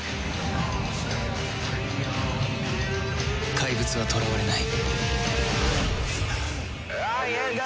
怪物は囚われない